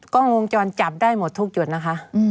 กล้องวงจรปิดจับได้หมดทุกจุดนะคะ